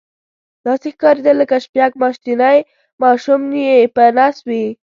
داسې ښکارېدل لکه شپږ میاشتنی ماشوم یې په نس وي.